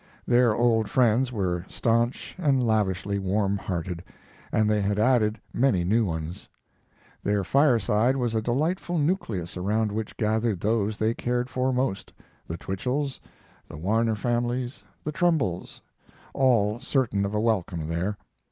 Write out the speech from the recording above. Their old friends were stanch and lavishly warm hearted, and they had added many new ones. Their fireside was a delightful nucleus around which gathered those they cared for most, the Twichells, the Warner families, the Trumbulls all certain of a welcome there.